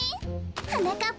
はなかっ